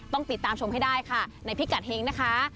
ต้องติดตามชมให้ได้ค่ะในพิกัดเฮงนะคะ